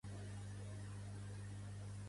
Aquí al còrner.